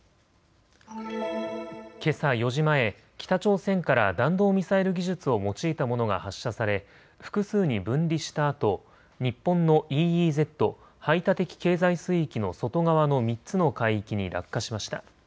けさ４時前、北朝鮮から弾道ミサイル技術を用いたものが発射され複数に分離したあと日本のＥＥＺ・排他的経済水域の外側の３つの海域に落下しました。